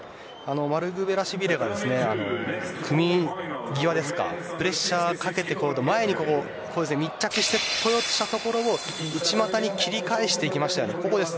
マルグヴェラシビリは組み際はプレッシャーをかけていこうと前に密着してきたところを内股に切り返していきました。